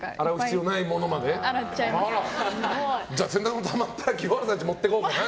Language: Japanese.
じゃあ洗濯物たまったら清原さんの家持っていこうかな！